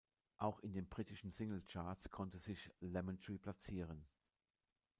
Auch in den Britische Singlecharts konnte sich "Lemon Tree" platzieren.